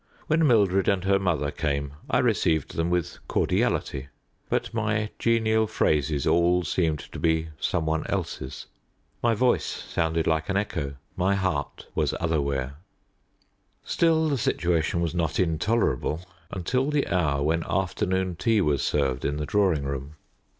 When Mildred and her mother came I received them with cordiality; but my genial phrases all seemed to be some one else's. My voice sounded like an echo; my heart was other where. Still, the situation was not intolerable until the hour when afternoon tea was served in the drawing room.